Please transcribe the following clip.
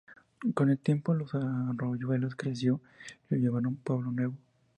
Con el tiempo Los Arroyuelos creció y lo llamaron Pueblo Nuevo.